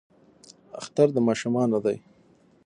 اختر د ماشومانو دی